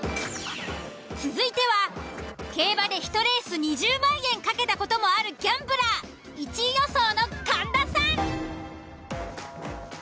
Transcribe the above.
続いては競馬で１レース２０万円賭けた事もあるギャンブラー１位予想の神田さん。